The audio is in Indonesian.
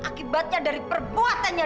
akibatnya dari perbuatannya